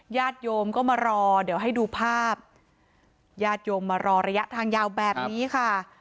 ญาติโยมก็มารอเดี๋ยวให้ดูภาพญาติโยมมารอระยะทางยาวแบบนี้ค่ะ